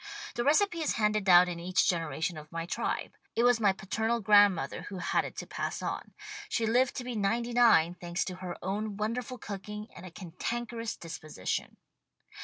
The recipe is handed down in each generation of my tribe. It was my paternal grandmother who had it to pass on. She lived to be ninety nine, thanks to her own wonderful cooking and a cantankerous dis position.